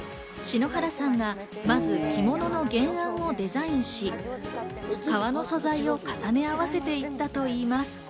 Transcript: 篠原さんがまず着物の原案をデザインし、革の素材を重ね合わせていったといいます。